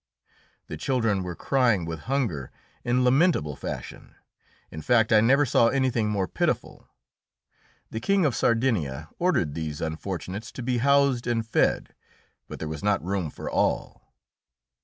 The children were crying with hunger in lamentable fashion. In fact, I never saw anything more pitiful. The King of Sardinia ordered these unfortunates to be housed and fed, but there was not room for all.